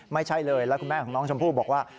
ไม่ใช่เลยแล้วคุณแม่ของน้องชมพู่บอกว่า